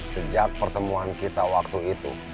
sejak pertemuan kita waktu itu